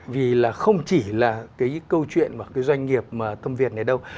vì là không chỉ là cái câu chuyện mà cái doanh nghiệp mà tâm việt này đâu